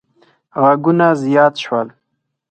غږونه زیات شول.